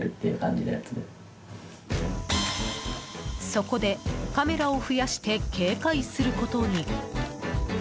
そこで、カメラを増やして警戒することに。